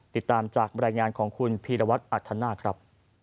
ติดตามจากบรรยายงานของคุณพีรวัตรอัธนาคครับ